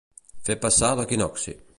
Fer passar l'equinocci.